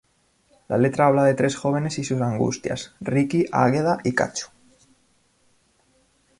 La letra habla de tres jóvenes y sus angustias, Ricky, Águeda y Cacho.